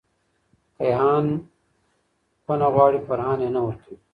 کیهان کونه غواړې.فرحان یی نه ورکوې